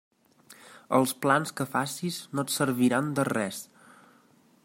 Els plans que facis no et serviran de res.